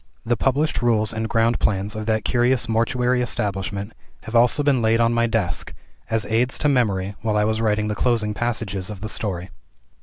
The published rules and ground plans of that curious mortuary establishment have also been laid on my desk, as aids to memory while I was writing the closing passages of the story.